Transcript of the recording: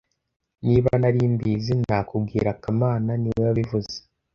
Niba nari mbizi, nakubwira kamana niwe wabivuze